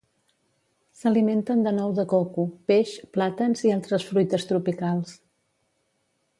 S'alimenten de nou de coco, peix, plàtans i altres fruites tropicals.